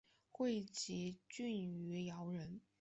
会稽郡余姚人。